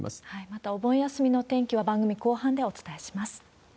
またお盆休みのお天気は、番組の後半でお伝えします。